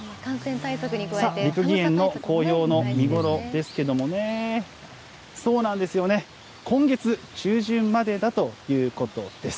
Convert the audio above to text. さあ、六義園の紅葉の見頃ですけれどもね、そうなんですよね、今月中旬までだということです。